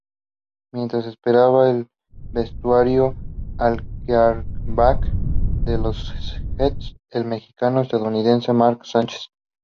Mientras esperaba en el vestuario al quarterback de los Jets, el mexicano-estadounidense Mark Sanchez.